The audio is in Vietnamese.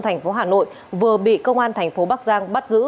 thành phố hà nội vừa bị công an thành phố bắc giang bắt giữ